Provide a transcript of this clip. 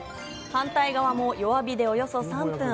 反対側も弱火でおよそ３分。